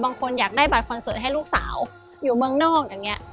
บางคนอยากได้บัตรคอนเสิร์ตให้ลูกสาวอยู่เมืองนอกอย่างนี้